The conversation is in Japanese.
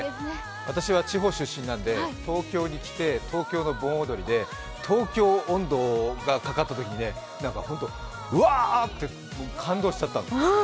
私は地方出身なので東京に来て東京の盆踊りで東京音頭がかかったときに、なんかホント、ワーッて感動しちゃったの。